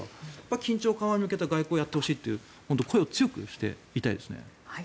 緊張緩和に向けた外交をやってほしいと声を強くして言いたいです。